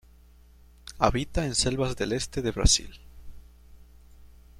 Habita en selvas del este de Brasil.